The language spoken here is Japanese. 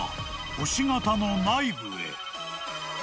星形の内部へ］